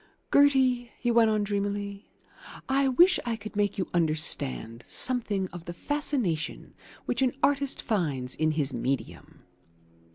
Gertie," he went on dreamily, "I wish I could make you understand something of the fascination which an artist finds in his medium.